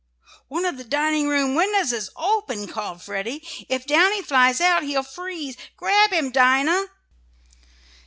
"One of the dining room windows is open!" called Freddie. "If Downy flies out he'll freeze. Grab him, Dinah!"